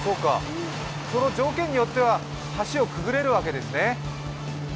その条件によっては橋をくぐれるわけですね。